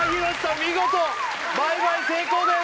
見事倍買成功です！